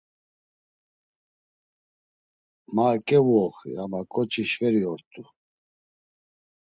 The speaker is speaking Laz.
Ma eǩevuoxi ama ǩoçi şveri ort̆u.